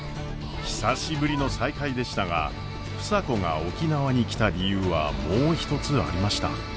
久しぶりの再会でしたが房子が沖縄に来た理由はもう一つありました。